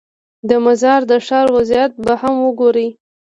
د مزار د ښار وضعیت به هم وګورې.